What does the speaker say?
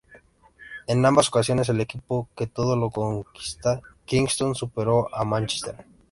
En ambas ocasiones, el equipo que todo lo conquista Kingston superó a Manchester.